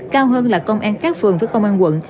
cao hơn là công an các phường với công an quận